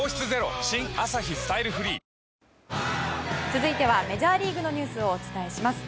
続いてはメジャーリーグのニュースをお伝えします。